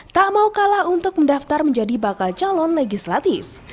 tak mau kalah untuk mendaftar menjadi bakal calon legislatif